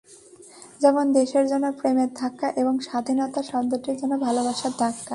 যেমন দেশের জন্য প্রেমের ধাক্কা এবং স্বাধীনতা শব্দটির জন্য ভালোবাসার ধাক্কা।